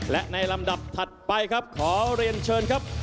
และในลำดับถัดไปครับขอเรียนเชิญครับ